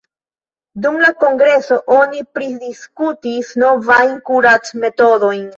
Dum la kongreso oni pridiskutis novajn kuracmetodojn.